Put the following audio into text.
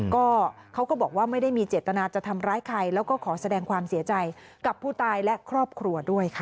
ก็เขาก็บอกว่าไม่ได้มีเจตนาจะทำร้ายใครแล้วก็ขอแสดงความเสียใจกับผู้ตายและครอบครัวด้วยค่ะ